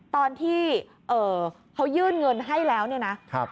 ตอนที่เขายื่นเงินให้แล้วเนี่ยนะ